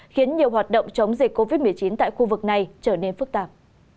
khiến nhiều hoạt động chống dịch covid một mươi chín tại khu vực này trở nên phức tạp